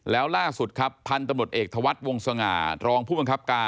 แล้วล่าสุดครับพันธุ์ตำรวจเอกธวัฒน์วงสง่ารองผู้บังคับการ